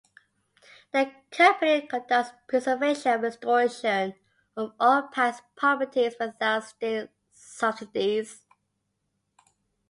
The company conducts preservation and restoration of all palace properties without state subsidies.